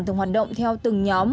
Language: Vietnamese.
thường hoạt động theo từng nhóm